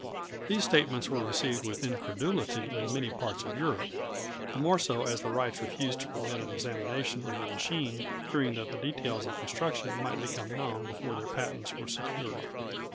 These statements were received with incredulity in many parts of Europe, the more so as the Wrights refused to permit an examination of their machine, fearing that the details of construction might become known before their patents were secured.